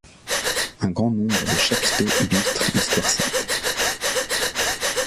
Un grand nombre de chapiteaux illustrent l'histoire sainte.